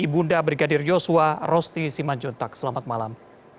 ibunda brigadir yosua rosti simanjuntak selamat malam